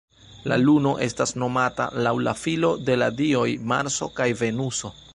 La luno estas nomata laŭ la filo de la dioj Marso kaj Venuso.